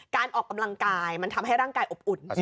การออกกำลังกายมันทำให้ร่างกายอบอุ่น